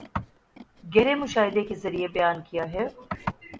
گہرے مشاہدے کے ذریعے بیان کیا ہے